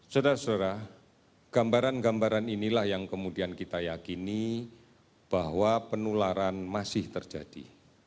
saudara saudara gambaran gambaran inilah yang kemudian kita yakini bahwa penularan masih terjadi